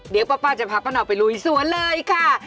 เดี๋ยวป้าจะพาป้าเนาไปลุยสวนเลยค่ะ